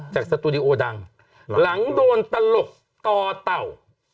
สตูดิโอดังหลังโดนตลกต่อเต่า